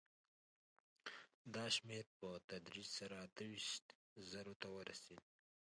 دا شمېر په تدریج سره اته ویشت زرو ته ورسېد